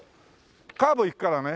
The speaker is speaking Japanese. カーブいくからね。